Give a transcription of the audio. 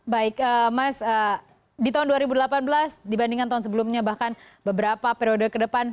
baik mas di tahun dua ribu delapan belas dibandingkan tahun sebelumnya bahkan beberapa periode ke depan